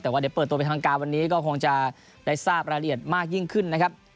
แต่ว่าเดี๋ยวเปิดตัวเป็นทางการวันนี้ก็คงจะได้ทราบรายละเอียดมากยิ่งขึ้นนะครับ